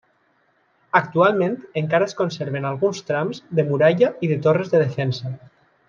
Actualment encara es conserven alguns trams de muralla i de torres de defensa.